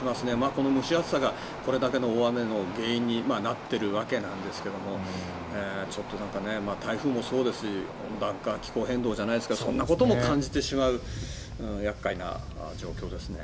この蒸し暑さがこれだけの大雨の原因になっているわけなんですがちょっと台風もそうですし温暖化気候変動じゃないですけどそんなことも感じてしまう厄介な状況ですね。